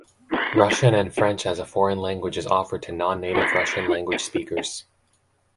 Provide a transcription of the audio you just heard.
Russian and French as a foreign language is offered to non-native Russian language speakers.